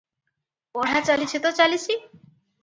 ପଢ଼ା ଚାଲିଛି ତ ଚାଲିଛି ।